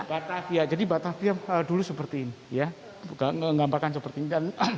batavia jadi batavia dulu seperti ini ya menggambarkan seperti ini